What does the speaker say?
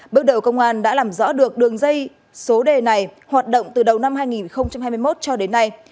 bước đầu công an đã làm rõ được đường dây số đề này hoạt động từ đầu năm hai nghìn hai mươi một cho đến nay